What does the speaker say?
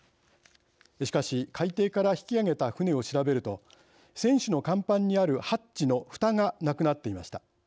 しかし、海底から引き揚げた船を調べると船首の甲板にあるハッチのふたがなくなっていました。